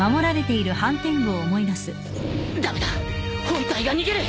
駄目だ本体が逃げる！